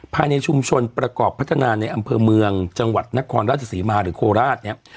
ภายในชุมชนประกอบพัฒนาในอำเภอเมืองจังหวัดนครราชศรีมาหรือโคราชเนี่ย